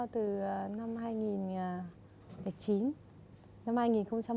từ năm hai nghìn chín